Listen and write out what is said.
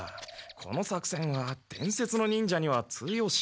この作戦は伝説の忍者には通用しませんよ。